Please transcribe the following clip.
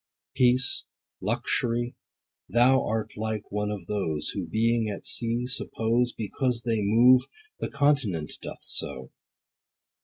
Peace, Luxury, thou art like one of those 60 Who, being at sea, suppose, Because they move, the continent doth so.